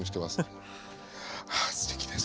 ああすてきです